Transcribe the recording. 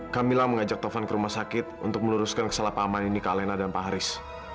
kamila mengajak tovan ke rumah sakit untuk meluruskan kesalahpahaman ini ke alena dan pak haris